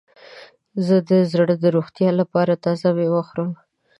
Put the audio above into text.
زه د زړه د روغتیا لپاره تازه میوه خورم.